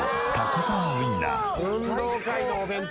運動会のお弁当。